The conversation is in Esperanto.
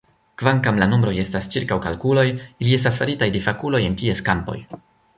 Kvankam la nombroj estas ĉirkaŭkalkuloj, ili estis faritaj de fakuloj en ties kampoj.